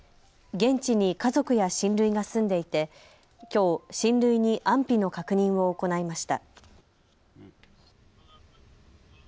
現地に家族や親類が住んでいてきょう、親類に安否の確認を行いました。